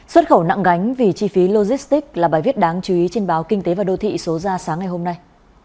xuất khẩu nặng gánh vì chi phí logistics là bài viết đáng chú ý trên báo kinh tế và đô thị số ra sáng ngày hôm nay